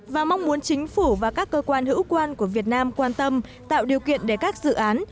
và mong muốn chính phủ và các cơ quan hữu quan của việt nam quan tâm tạo điều kiện để các dự án